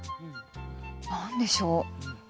何でしょう？